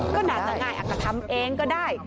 ก็น่าจะง่ายอาจจะทำเองก็ได้